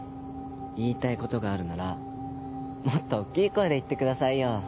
言いたい事があるならもっと大きい声で言ってくださいよ。